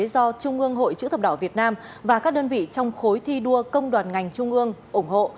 do trung ương hội chữ thập đỏ việt nam và các đơn vị trong khối thi đua công đoàn ngành trung ương ủng hộ